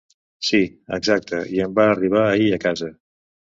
Si, exacte i em va arribar ahir a casa.